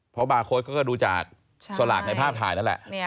เพราะบาร์โค้ดก็ก็ดูจากใช่สลากในภาพถ่ายนั่นแหละเนี้ย